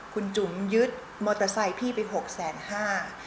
คุณจุ๋มยึดมอเตอร์ไซค์พี่ไปหกแสนห้า